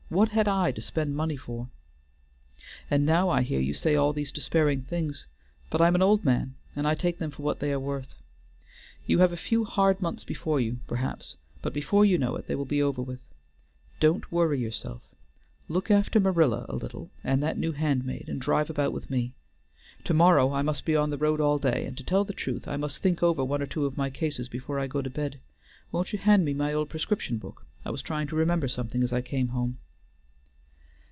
What had I to spend money for? And now I hear you say all these despairing things; but I am an old man, and I take them for what they are worth. You have a few hard months before you, perhaps, but before you know it they will be over with. Don't worry yourself; look after Marilla a little, and that new hand maid, and drive about with me. To morrow I must be on the road all day, and, to tell the truth, I must think over one or two of my cases before I go to bed. Won't you hand me my old prescription book? I was trying to remember something as I came home."